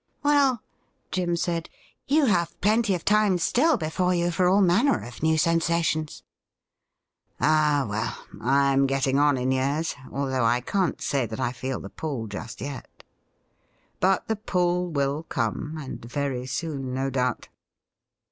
' Well,' Jim said, ' you have plenty of time still before you for all manner of new sensations.' ' Ah, well, I am getting on in years, although I can't say that I feel the pull just yet. But the pull will come, and very soon, no doubt.'